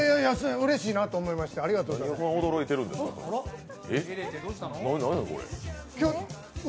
うれしいなと思いましてありがとう。